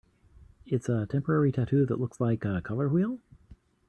It's a temporary tattoo that looks like... a color wheel?